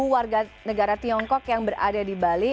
tiga ribu warga negara tiongkok yang berada di bali